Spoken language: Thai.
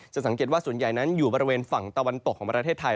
สังเกตว่าส่วนใหญ่นั้นอยู่บริเวณฝั่งตะวันตกของประเทศไทย